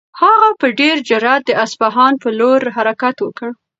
هغه په ډېر جرئت د اصفهان په لور حرکت وکړ.